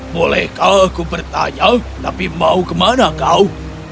bolehkah aku bertanya tapi mau ke mana kau